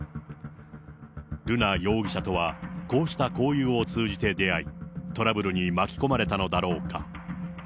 瑠奈容疑者とは、こうした交友を通じて出会い、トラブルに巻き込まれたのだろうか。